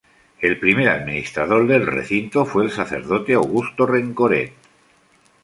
El primer administrador del recinto fue el sacerdote Augusto Rencoret.